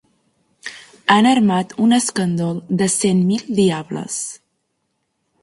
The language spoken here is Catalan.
Han armat un escàndol de cent mil diables!